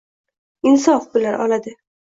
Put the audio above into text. “Insof” bilan oladi.